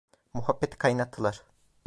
Muhabbeti kaynattılar.